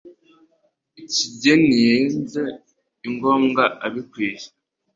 Ikigeni yenze ingoma abikwiye